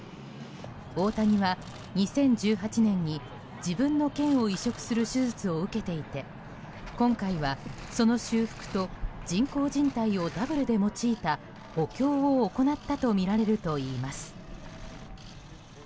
大谷は２０１８年に自分の腱を移植する手術を受けていて今回は、その修復と人工じん帯をダブルで用いた補強を行ったとみられるといいます。